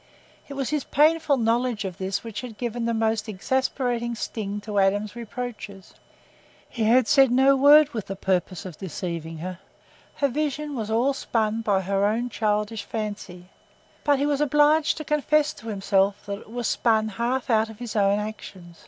It was his painful knowledge of this which had given the most exasperating sting to Adam's reproaches. He had said no word with the purpose of deceiving her—her vision was all spun by her own childish fancy—but he was obliged to confess to himself that it was spun half out of his own actions.